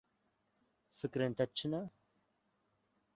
Fikrên te çi ne?